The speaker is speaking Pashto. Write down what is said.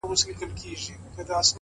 هره شېبه ارزښت لري،